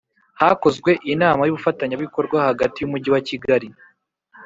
Hakozwe Inama y ubufatanyabikorwa hagati y Umujyi wa Kigali